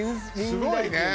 すごいね。